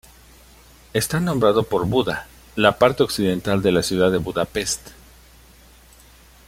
Está nombrado por Buda, la parte occidental de la ciudad de Budapest.